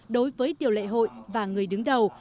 đối với điều lệ hội và người đứng đầu